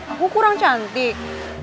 aku kurang cantik